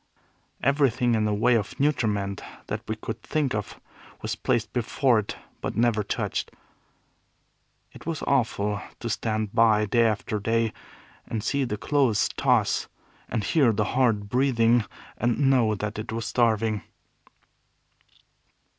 Everything in the way of nutriment that we could think of was placed before it, but was never touched. It was awful to stand by, day after day, and see the clothes toss, and hear the hard breathing, and know that it was starving.